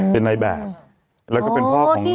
เป็นใดแบบ